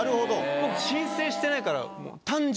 僕申請してないから。